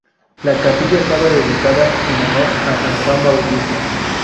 La capilla estaba dedicada en honor a San Juan Bautista.